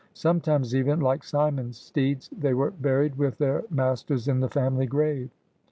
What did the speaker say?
Sometimes even, like Cimon's steeds, they were buried with their mas ters in the family grave.